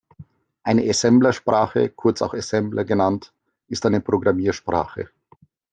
Eine Assemblersprache, kurz auch Assembler genannt, ist eine Programmiersprache.